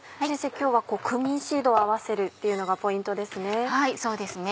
今日はクミンシードを合わせるっていうのがポイントですね。